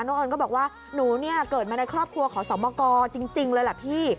น้องเอิญก็บอกว่าหนูเกิดมาในครอบครัวขอสองบอกอจริงเลยละพี่